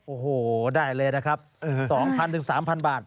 โอ้โหได้เลยนะครับ๒๐๐๓๐๐บาท